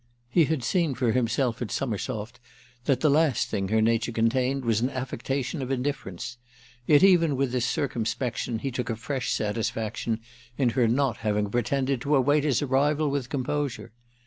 He had seen for himself at Summersoft that the last thing her nature contained was an affectation of indifference; yet even with this circumspection he took a fresh satisfaction in her not having pretended to await his arrival with composure.